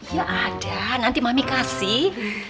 ya ada nanti mami kasih